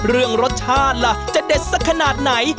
เรื่องรสชาติล่ะจะเด็ดสักขนาดไหน